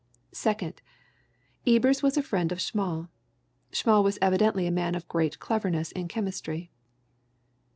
"Second. Ebers was a friend of Schmall. Schmall was evidently a man of great cleverness in chemistry.